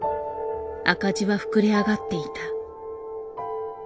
赤字は膨れ上がっていた。